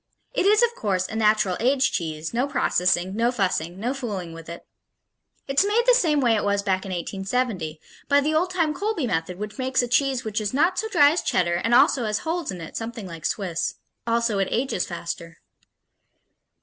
It is, of course, a natural aged cheese, no processing, no fussing, no fooling with it. It's made the same way it was back in 1870, by the old time Colby method which makes a cheese which is not so dry as Cheddar and also has holes in it, something like Swiss. Also, it ages faster.